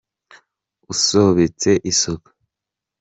Usobetse isuku